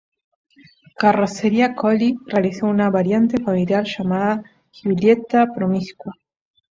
Carrozzeria Colli realizó una variante familiar llamada Giulietta Promiscua.